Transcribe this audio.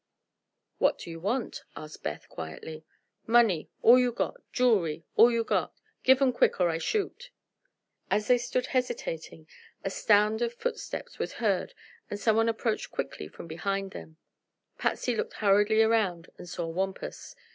"What do you want?" asked Beth, quietly. "Money. All you got. Jew'lry all you got. Give 'm quick, or I shoot!" As they stood hesitating a sound of footsteps was heard and someone approached quickly from behind them. Patsy looked hurriedly around and saw Wampus.